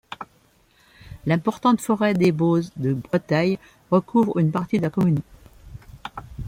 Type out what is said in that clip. L'importante forêt des Baux-de-Breteuil recouvre une partie de la commune.